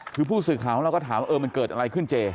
คือผู้สื่อข่าวแล้วก็ถามเออมันเกิดอะไรขึ้นเจ